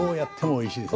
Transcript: おいしいです。